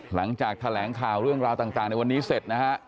หลังจากแถลงข่าวเรื่องราวต่างในวันนี้เสร็จนะฮะ